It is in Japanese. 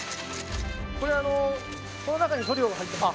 この中に塗料が入っています。